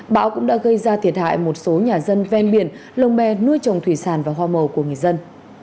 bão cũng đã gây ra thiệt hại một số nhà dân ven biển lồng bè nuôi trồng thủy sản và hoa màu của người dân